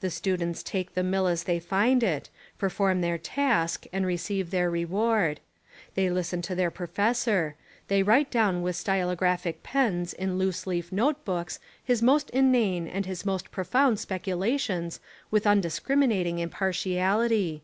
The students take the mill as they find it, perform their task and receive their reward. They listen to their professor. They write down with stylographic pens in loose leaf note books his most inane and his most profound speculations with an un discriminating impartiality.